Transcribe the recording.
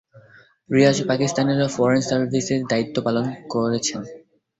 রিয়াজ পাকিস্তানের ফরেন সার্ভিসে দায়িত্ব পালন করেছেন।